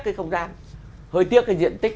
cái không gian hơi tiếc cái diện tích